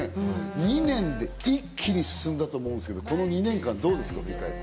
２年で一気に進んだと思うんですけど、この２年間振り返ってどうですか？